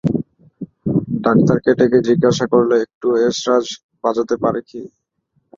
ডাক্তারকে ডেকে জিজ্ঞাসা করলে, একটু এসরাজ বাজাতে পারি কি?